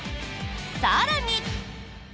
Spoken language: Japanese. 更に。